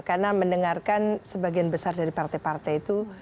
karena mendengarkan sebagian besar dari partai partai itu